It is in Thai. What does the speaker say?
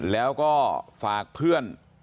แล้วก็ฝากเพื่อน